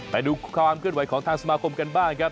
ไปดูความเคลื่อนไหวของทางสมาคมกันบ้างครับ